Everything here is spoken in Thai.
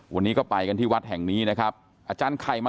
วันนี้ก็ไปกันที่วัดแห่งนี้นะครับอาจารย์ไข่มา